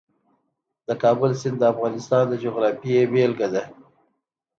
د کابل سیند د افغانستان د جغرافیې بېلګه ده.